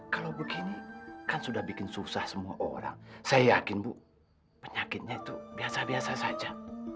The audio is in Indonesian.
kalau begini kan sudah bikin susah semua orang saya yakin bu penyakitnya itu biasa biasa saja